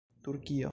turkio